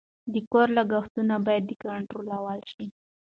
د کور لګښتونه باید کنټرول شي.